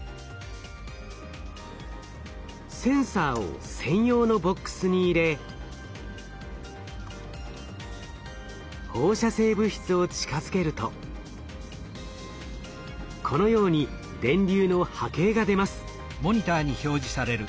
センサーを専用のボックスに入れ放射性物質を近づけるとこのように電流の波形が出ます。